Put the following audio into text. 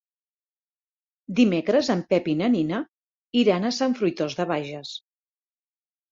Dimecres en Pep i na Nina iran a Sant Fruitós de Bages.